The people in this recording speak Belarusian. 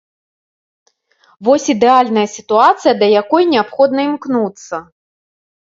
Вось ідэальная сітуацыя, да якой неабходна імкнуцца.